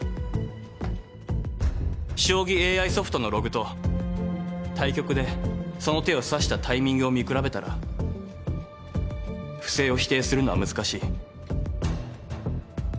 将棋ＡＩソフトのログと対局でその手を指したタイミングを見比べたら不正を否定するのは難しい。